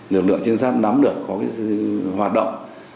lực lượng chiến sát nắm được có cái hoạt động